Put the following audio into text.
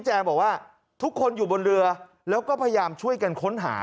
แจ้งบอกว่าทุกคนอยู่บนเรือแล้วก็พยายามช่วยกันค้นหา